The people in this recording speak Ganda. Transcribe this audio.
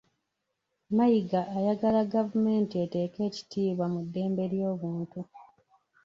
Mayiga ayagala gavumenti eteeke ekitiibwa mu ddembe ly'obuntu .